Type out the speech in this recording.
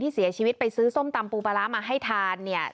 เสียชีวิตไปซื้อส้มตำปูปลาร้ามาให้ทานเนี่ย